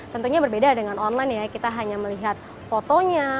tentunya berbeda dengan online ya kita hanya melihat fotonya